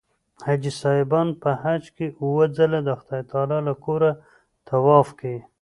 حاجي صاحبان په حج کې اووه ځله د خدای تعلی له کوره طواف کوي.